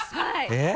えっ？